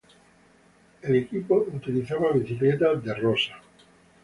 El equipo utilizaba bicicletas De Rosa.